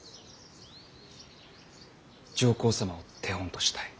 上皇様を手本としたい。